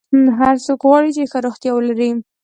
هر څوک غواړي چې ښه روغتیا ولري.